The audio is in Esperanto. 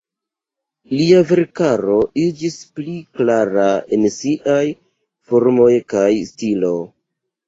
Lia verkaro iĝis pli klara en siaj formoj kaj stilo.